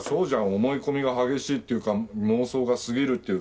思い込みが激しいっていうか妄想がすぎるっていうか。